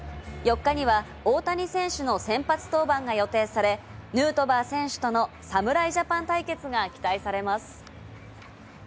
４日には大谷選手の先発登板が予定され、ヌートバー選手との侍ジャパン対決が期待されます。